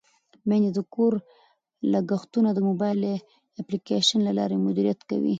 میندې د کور لګښتونه د موبایل اپلیکیشن له لارې مدیریت کوي.